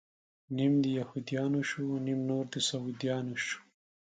نيم د يهود يانو شو، نيم نور د سعوديانو شو